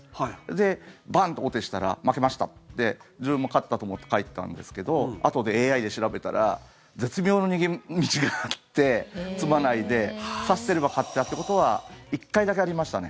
で、バンと王手したら負けましたって自分も勝ったと思って帰ったんですけどあとでＡＩで調べたら絶妙の逃げ道があって詰まないで指してれば勝ってたということは１回だけありましたね。